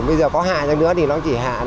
bây giờ có hạ trong nước thì nó chỉ hạ